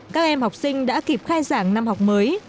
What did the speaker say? các em học sinh đã kịp khai giảng năm học mới